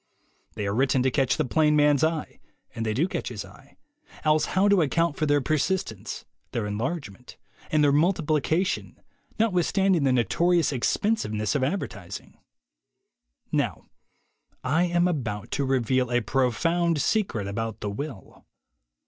They are written to catch the plain man's eye, and they do catch his eye, else how account for their persistence, their enlargement, and their multiplication, notwith standing the notorious expensiveness of adver tising? Now I am about to reveal a profound secret about the will.